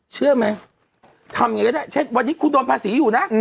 เชื่อไหมทำยังไงก็ได้เช่นวันนี้คุณโดนภาษีอยู่นะ